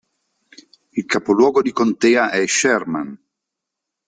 Il capoluogo di contea è Sherman.